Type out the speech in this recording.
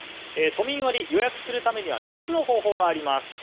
都民割、予約するためには３つの方法があります。